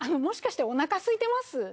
もしかしてお腹すいてます？